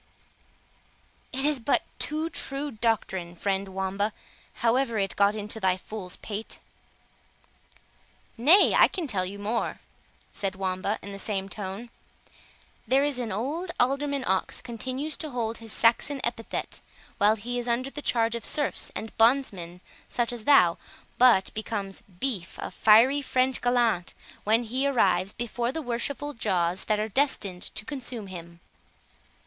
"It is but too true doctrine, friend Wamba, however it got into thy fool's pate." "Nay, I can tell you more," said Wamba, in the same tone; "there is old Alderman Ox continues to hold his Saxon epithet, while he is under the charge of serfs and bondsmen such as thou, but becomes Beef, a fiery French gallant, when he arrives before the worshipful jaws that are destined to consume him.